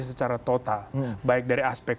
secara total baik dari aspek